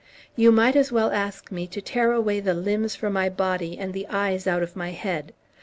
You might as well ask me to tear away the limbs from my body, and the eyes out of my head.